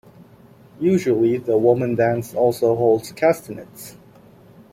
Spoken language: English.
Usually the woman dance also holds castanets.